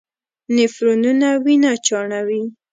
نفرونونه وینه چاڼوي.